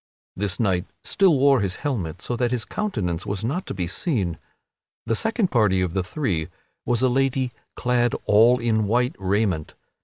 This knight still wore his helmet, so that his countenance was not to be seen. The second party of the three was a lady clad all in white raiment.